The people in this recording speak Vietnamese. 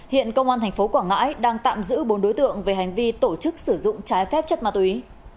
hiện công an tp quảng ngãi đang tạm giữ bốn đối tượng về hành vi tổ chức sử dụng trái phép chất ma túy